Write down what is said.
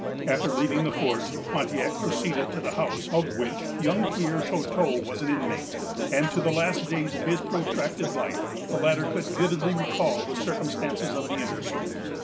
After leaving the fort, Pontiac proceeded to the house of which young Pierre Chouteau was an inmate; and to the last days of his protracted life, the latter could vividly recall the circumstances of the interview.